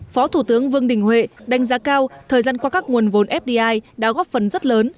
phó thủ tướng vương đình huệ đánh giá cao thời gian qua các nguồn vốn fdi đã góp phần rất lớn